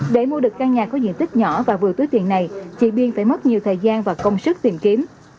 để mua được căn nhà có diện tích nhỏ và vừa túi tiền này chị biên phải mất nhiều thời gian và công sức tìm kiếm